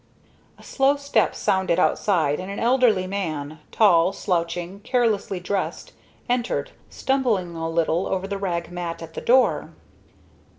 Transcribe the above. A slow step sounded outside, and an elderly man, tall, slouching, carelessly dressed, entered, stumbling a little over the rag mat at the door.